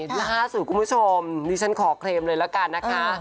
ล่าสุดคุณผู้ชมดิฉันขอเคลมเลยละกันนะคะ